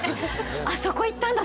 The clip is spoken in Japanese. あそこ行ったんだ。